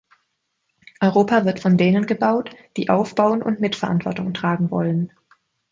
Europa wird von denen gebaut, die aufbauen und Mitverantwortung tragen wollen.